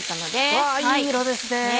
うわいい色ですね！